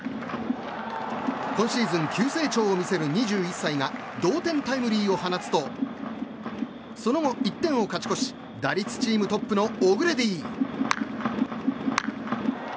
今シーズン、急成長を見せる２１歳が同点タイムリーを放つとその後１点を勝ち越し打率チームトップのオグレディ。